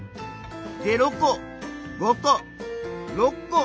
０個５個６個。